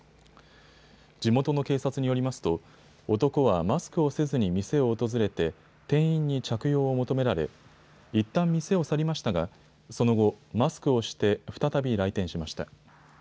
地元の警察によりますと男はマスクをせずに店を訪れて店員に着用を求められいったん店を去りましたがその後、マスクをして再び来店しました。